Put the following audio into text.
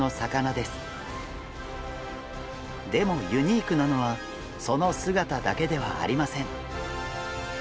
でもユニークなのはその姿だけではありません。